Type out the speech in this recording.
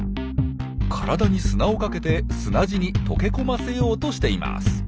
体に砂をかけて砂地に溶け込ませようとしています。